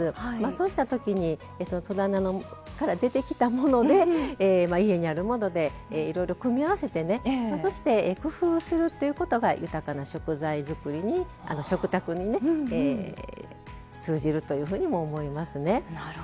そうしたときに戸棚から出てきたもので家にあるものでいろいろ組み合わせてそして、工夫するっていうことが豊かな食材作り、食卓に通じるというふうにも思いますね。